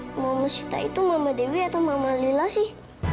mama musita itu mama dewi atau mama lila sih